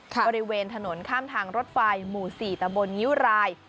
บริเวณถนนข้ามทางรถไฟหมู่๔ตะบนงิ้วราย